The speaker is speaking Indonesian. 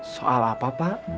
soal apa pak